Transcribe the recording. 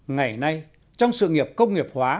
ngày nay trong sự nghiệp công nghiệp hóa